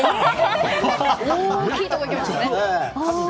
大きいところいきますね。